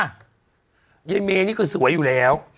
ไอ้เมนี่คือสวยอยู่แล้ว